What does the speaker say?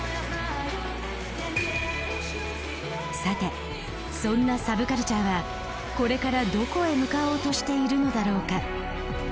さてそんなサブカルチャーはこれからどこへ向かおうとしているのだろうか？